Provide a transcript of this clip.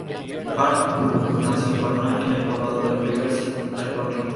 Parks nació en Corona en el condado de Riverside, California.